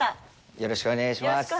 よろしくお願いします。